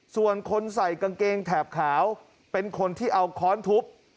ส่วนคนใส่กางเกงแถบขาวเป็นคนที่เอาค้อนทุบ